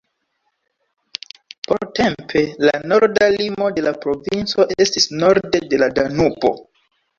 Portempe, la norda limo de la provinco estis norde de la Danubo.